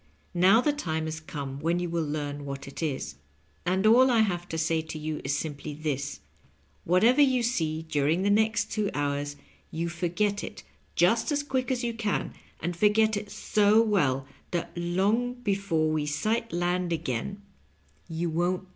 Now the time has come when you will learn what it is, and all I have to say to you is simply this — whatever you see during the next two hours you forget it just as quick as you can, and forget it so well that long before we sight land again you Digitized by VjOOQIC LOVE AND LIQETNINQ.